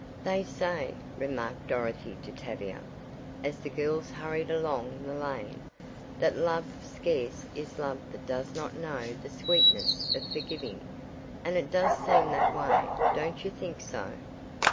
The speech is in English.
"They say," remarked Dorothy to Tavia, as the girls hurried along the lane, "'that love scarce is love that does not know the sweetness of forgiving,' and it does seem that way, don't you think so?"